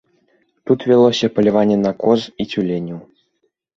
Тут вялося паляванне на коз і цюленяў.